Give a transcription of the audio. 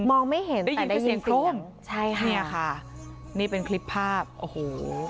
มองไม่เห็นแต่ได้ยินเสียงโครมใช่ค่ะเนี่ยค่ะนี่เป็นคลิปภาพโอ้โห